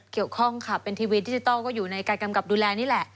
เกี่ยวข้องค่ะเป็นทีวีดิจิทัลก็อยู่ในการกำกับดูแลนี่แหละ